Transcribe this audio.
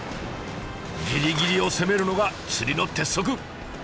ギリギリを攻めるのが釣りの鉄則。